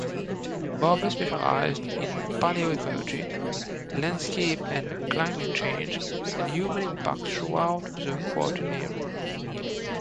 Barber specialized in palaeoecology, landscape and climate change, and human impact throughout the Quaternary.